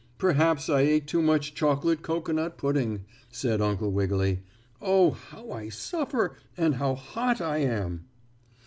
"Perhaps I ate too much chocolate cocoanut pudding," said Uncle Wiggily. "Oh, how I suffer, and how hot I am."